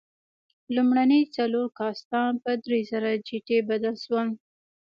لومړني څلور کاستان په درېزره جتي بدل شول.